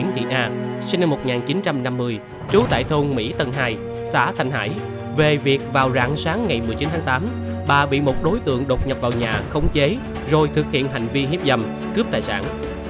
thỉnh thoảng xuất hiện vào lúc nửa đêm đột nhập vào nhà dân để hiếp dầm cướp tài sản